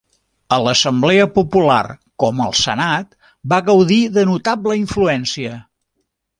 A l'assemblea popular com al senat va gaudir de notable influència.